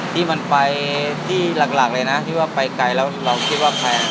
ที่มันไปที่หลากเลยน่ะว่าไปไกลเราคิดแพง